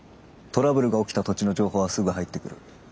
トラブルが起きた土地の情報はすぐ入ってくる。